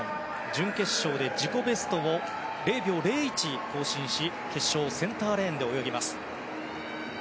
準決勝で自己ベストを０．０１更新し決勝をセンターレーンで泳ぎます。